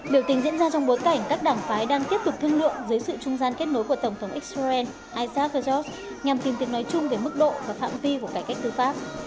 biểu tình diễn ra trong bối cảnh các đảng phái đang tiếp tục thương lượng dưới sự trung gian kết nối của tổng thống israel isaajos nhằm tìm tiếng nói chung về mức độ và phạm vi của cải cách tư pháp